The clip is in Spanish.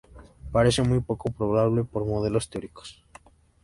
Parece muy poco probable por modelos teóricos.